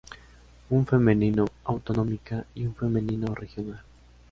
Un femenino autonómica y un femenino regional.